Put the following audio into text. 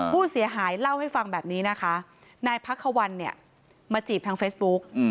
ผู้เสียหายเล่าให้ฟังแบบนี้นะคะนายพักควันเนี่ยมาจีบทางเฟซบุ๊ก